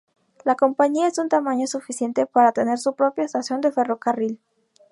La compañía es de un tamaño suficiente para tener su propia estación de ferrocarril.